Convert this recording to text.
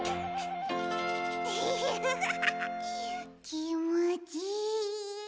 きもちいい。